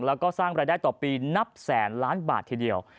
แล้วก็สร้างรายได้ต่อปีนับแสนล้านบาททีเดียว